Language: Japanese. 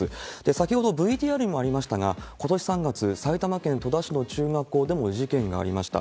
先ほどＶＴＲにもありましたが、ことし３月、埼玉県戸田市の中学校でも事件がありました。